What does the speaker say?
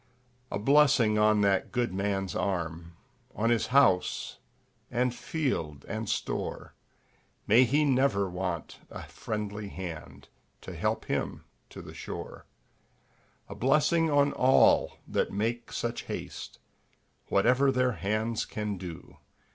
A blessing on that good man's arm, On his house, and field, and store; May he never want a friendly hand To help him to the shore! A blessing on all that make such haste, Whatever their hands can do!